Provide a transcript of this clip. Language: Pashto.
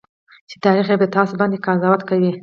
چې تاريخ به تاسو باندې قضاوت کوي.